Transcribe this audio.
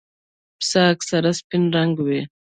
پسه اکثره سپین رنګه وي.